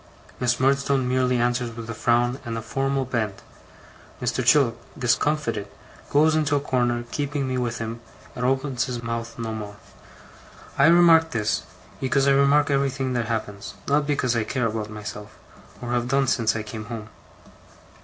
Miss Murdstone merely answers with a frown and a formal bend: Mr. Chillip, discomfited, goes into a corner, keeping me with him, and opens his mouth no more. I remark this, because I remark everything that happens, not because I care about myself, or have done since I came home.